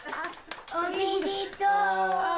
おめでとう。